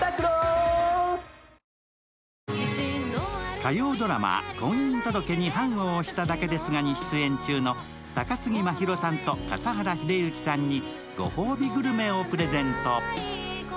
火曜ドラマ「婚姻届に判を捺しただけですが」に出演中の高杉真宙さんと笠原秀幸さんにごほうびグルメをプレゼント。